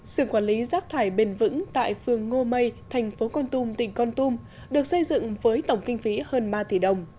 sườn quản lý rác thải bền vững tại phường ngô mây thành phố con tum tỉnh con tum được xây dựng với tổng kinh phí hơn ba tỷ đồng